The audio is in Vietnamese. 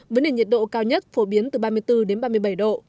với nền nhiệt độ cao nhất phổ biến từ ba mươi bốn đến ba mươi bảy độ